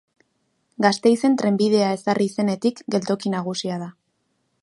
Gasteizen trenbidea ezarri zenetik geltoki nagusia da.